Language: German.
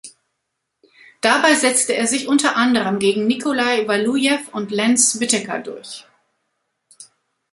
Dabei setzte er sich unter anderem gegen Nikolai Walujew und Lance Whitaker durch.